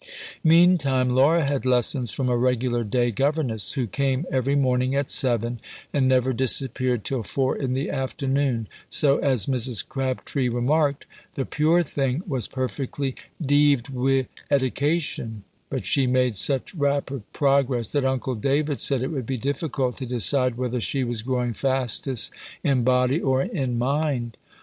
Meantime Laura had lessons from a regular day governess, who came every morning at seven, and never disappeared till four in the afternoon, so, as Mrs. Crabtree remarked, "the puir thing was perfectly deaved wi' edication," but she made such rapid progress, that uncle David said it would be difficult to decide whether she was growing fastest in body or in mind.